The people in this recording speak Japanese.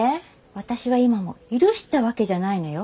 私は今も許したわけじゃないのよ。